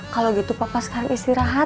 kalau gitu papa sekarang istirahat